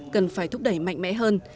cần phải thúc đẩy mạnh mẽ hơn